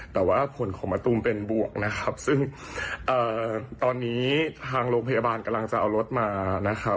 แต่ว่าผลของมะตูมเป็นบวกนะครับซึ่งตอนนี้ทางโรงพยาบาลกำลังจะเอารถมานะครับ